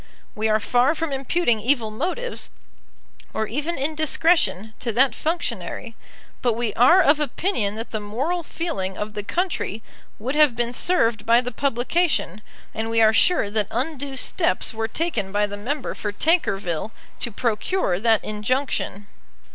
We are far from imputing evil motives, or even indiscretion, to that functionary; but we are of opinion that the moral feeling of the country would have been served by the publication, and we are sure that undue steps were taken by the member for Tankerville to procure that injunction.